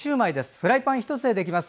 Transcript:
フライパン１つでできます。